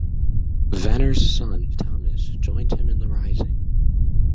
Venner's son, Thomas joined him in the Rising.